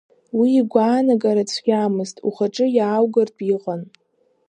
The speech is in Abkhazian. Уи игәаанагара цәгьамызт, ухаҿы иааугартә иҟан.